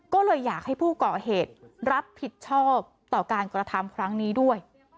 ก็เลยอยากให้ผู้เกาะเหตุรับผิดชอบต่อการกระทำครั้งนี้ด้วย